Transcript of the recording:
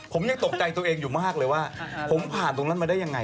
ผมยังตกใจตัวเองอยู่มากเลยว่าผมผ่านตรงนั้นมาได้ยังไง